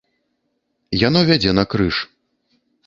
Яно вядзе на крыж.